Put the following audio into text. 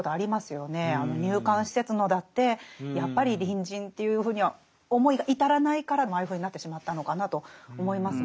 あの入管施設のだってやっぱり隣人というふうには思いが至らないからああいうふうになってしまったのかなと思いますものね。